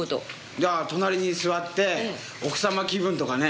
いや、隣に座って奥様気分とかね。